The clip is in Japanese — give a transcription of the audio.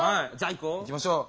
行きましょう。